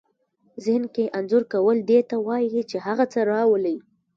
ذهن کې انځور کول دې ته وايي چې هغه څه راولئ.